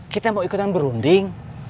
kita mau ikutan berunding